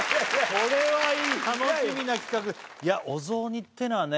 これはいい楽しみな企画お雑煮ってのはね